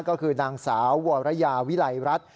ก็คือนางสาววรยาวิลัยรัฐ